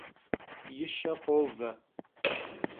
Yi şe khove.